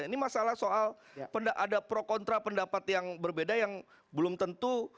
ini masalah soal ada pro kontra pendapat yang berbeda yang belum tentu